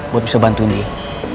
buat bisa bantuin dia